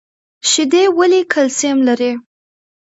شیدې ولې کلسیم لري؟